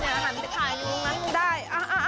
ถ่ายรูปมาก็ได้